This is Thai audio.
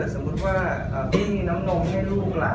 สมมุติว่าพี่น้ำนมให้ลูกล่ะ